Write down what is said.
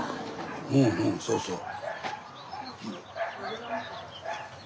うんうんそうそう。